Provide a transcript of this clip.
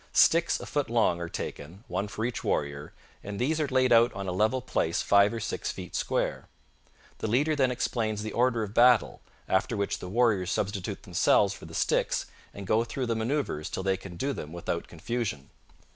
Sticks a foot long are taken, one for each warrior, and these are laid out on a level place five or six feet square. The leader then explains the order of battle, after which the warriors substitute themselves for the sticks and go through the manoeuvres till they can do them without confusion.